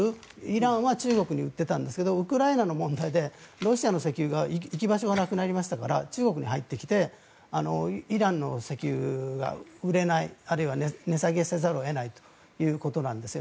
イランは中国に売っていたんですがウクライナの問題でロシアの石油が行き場所がなくなりましたから中国に入ってきてイランの石油が売れないあるいは値下げせざるを得ないということなんです。